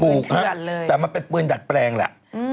ถูกแต่มันเป็นปืนดัดแปลงอ่ะ